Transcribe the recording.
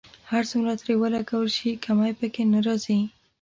هر څومره ترې ولګول شي کمی په کې نه راځي.